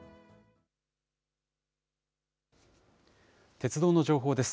鉄道の情報です。